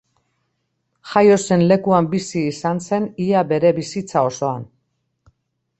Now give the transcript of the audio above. Jaio zen lekuan bizi izan zen ia bere bizitza osoan.